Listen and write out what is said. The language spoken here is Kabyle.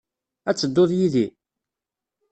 Ad tedduḍ yid-i?